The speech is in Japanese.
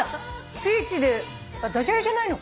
ピーチで駄じゃれじゃないのか。